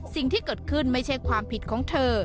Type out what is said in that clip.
สิ่งที่เกิดขึ้นไม่ใช่ความผิดของเธอ